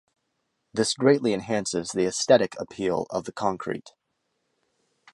This greatly enhances the aesthetic appeal of the concrete.